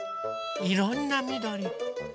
いろんなみどり。